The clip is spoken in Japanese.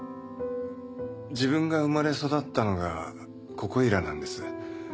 自分が生まれ育ったのがここいらなんです。